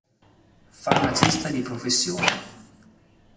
Farmacista di professione.